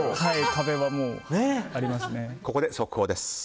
ここで速報です。